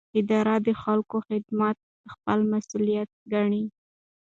اداره د خلکو خدمت خپل مسوولیت ګڼي.